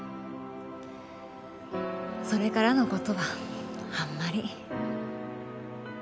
それからの事はあんまり。